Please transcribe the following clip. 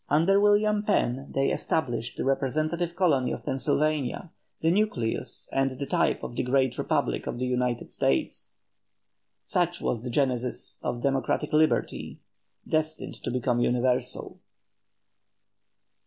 Under William Penn they established the representative colony of Pennsylvania, the nucleus and the type of the great republic of the United States. Such was the genesis of democratic liberty, destined to become universal.